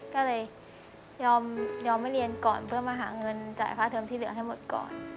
ก็เลยยอมให้เรียนก่อนเพื่อมาหาเงินจ่ายค่าเทอมที่เหลือให้หมดก่อน